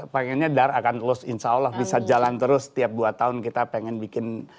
pengennya dar akan terus insya allah bisa jalan terus setiap dua tahun kita pengen bikin